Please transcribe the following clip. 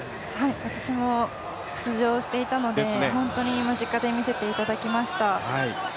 私も出場していたので本当に間近で見せていただきました。